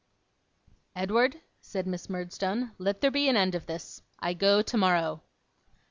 'Edward,' said Miss Murdstone, 'let there be an end of this. I go tomorrow.